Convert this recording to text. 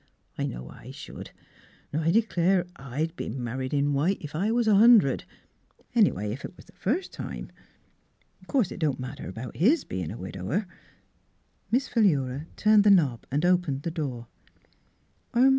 I know I should. 'N' I d'clare I'd be mar ried in white, if I was a hundred, — any way ef it was the first time. 'Course it don't matter about his bein' a widower." Miss Philura turned the knob and opened the door.